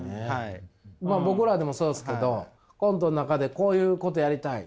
まあ僕らでもそうですけどコントの中でこういうことやりたい。